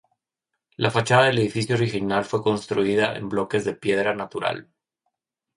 La fachada del edificio original fue construida en bloques de piedra natural.